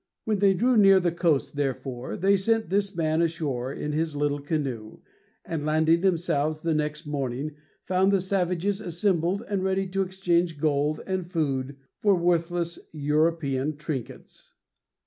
When they drew near the coast, therefore, they sent this man ashore in his little canoe, and, landing themselves the next morning, found the savages assembled and ready to exchange gold and food for worthless European trinkets.